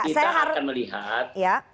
kita akan melihat